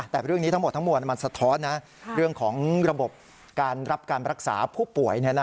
แต่เรื่องนี้ทั้งหมดทั้งมวลมันสะท้อนเรื่องของระบบการรับการรักษาผู้ป่วย